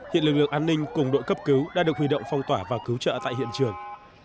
hiện lực lượng an ninh cùng đội cấp cứu đã được huy động phong tỏa và cứu trợ tại hiện trường